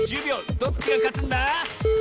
どっちがかつんだ？